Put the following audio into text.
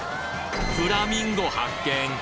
フラミンゴ発見！